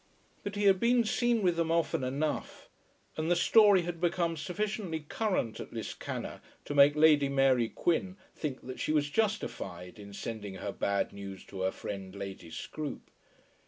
But he had been seen with them often enough, and the story had become sufficiently current at Liscannor to make Lady Mary Quin think that she was justified in sending her bad news to her friend Lady Scroope.